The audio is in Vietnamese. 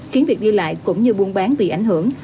khiến việc đi lại cũng như buôn bán bị ảnh hưởng